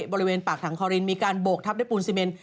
บริเวณปากถังคอรินมีการโบกทับด้วยปูนซีเมน